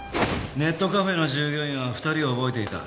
ネットカフェの従業員は２人を覚えていた。